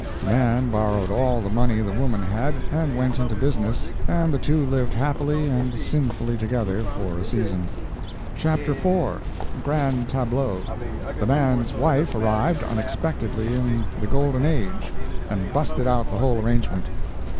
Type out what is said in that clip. The man borrowed all the money the woman had, and went into business, and the two lived happily and sinfully together for a season. Chapter IV.—Grand Tableau. The man's wife arrived unexpectedly in the Golden Age, and busted out the whole arrangement.